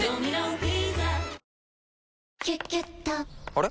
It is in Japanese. あれ？